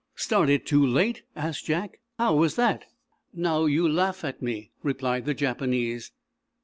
"Started too late?" asked Jack. "How was that?" "Now, you laugh at me," replied the Japanese.